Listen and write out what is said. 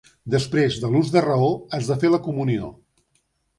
Després de l'ús de raó has de fer la comunió.